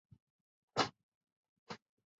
律令法没有行政官和司法官的区别。